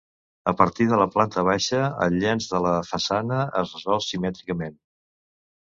A partir de la planta baixa el llenç de la façana es resol simètricament.